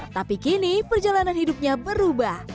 tapi kini perjalanan hidupnya berubah